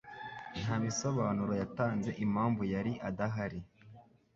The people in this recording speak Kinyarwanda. Nta bisobanuro yatanze impamvu yari adahari.